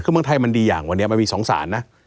คือเมืองไทยมันดีอย่างวันนี้มันมี๒สารนะ